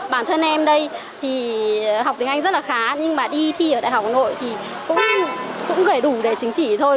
bản thân em đây thì học tiếng anh rất là khá nhưng mà đi thi ở đại học hà nội thì cũng phải đủ để chứng chỉ thôi